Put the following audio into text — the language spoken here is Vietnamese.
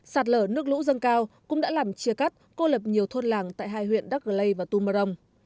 sạt lở nước lũ dâng cao cũng đã làm chia cắt cô lập nhiều thôn làng tại hai huyện đắc lây và tum mơ rông